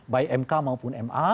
baik mk maupun ma